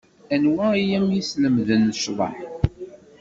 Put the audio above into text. Anwa i am-yeslemden ccḍeḥ?